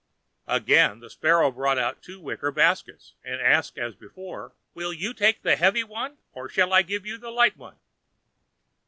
Again the Sparrow brought out two wicker baskets, and asked as before: "Will you take the heavy one, or shall I give you the light one?"